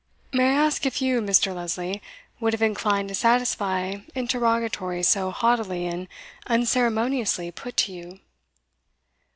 "May I ask, if you, Mr. Lesley, would have inclined to satisfy interrogatories so haughtily and unceremoniously put to you?"